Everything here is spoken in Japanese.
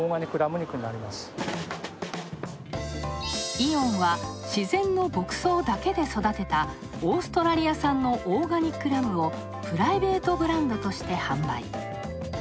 イオンは、自然の牧草だけで育てたオーストラリア産のオーガニックラムをプライベートブランドとして販売。